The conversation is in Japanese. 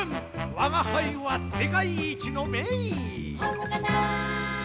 わがはいはせかいいちのめいいほんとかな？